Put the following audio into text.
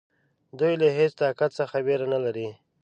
دوی له هیڅ طاقت څخه وېره نه لري.